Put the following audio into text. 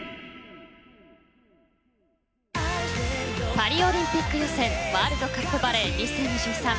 パリオリンピック予選ワールドカップバレー２０２３。